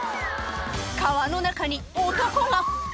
川の中に男が！